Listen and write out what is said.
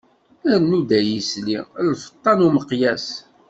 Rnu-d ay isli, lfeṭṭa n umeqyas.